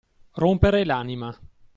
Rompere l'anima.